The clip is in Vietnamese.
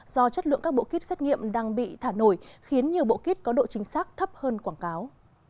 do chất lượng các bộ kit xét nghiệm đang bị thả nổi khiến nhiều bộ kit có độ chính xác thấp hơn quảng cáo